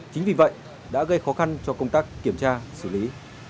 chính vì vậy đã gây khó khăn cho công tác kiểm tra xử lý